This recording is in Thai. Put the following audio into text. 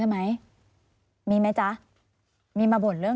พ่อที่รู้ข่าวอยู่บ้าง